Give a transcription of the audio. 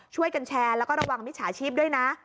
ช่วยกันแชร์แล้วก็ระวังมิจฉาชีพด้วยนะ